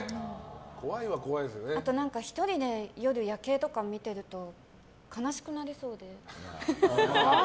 あと、１人で夜夜景とか見てると悲しくなりそうで。